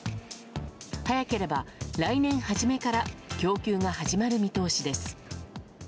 早ければ来年初めから供給が始まる見通しです。